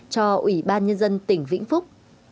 cho ủy ban nhân dân tỉnh vĩnh phúc